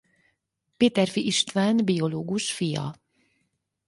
Péterfi István biológus fia.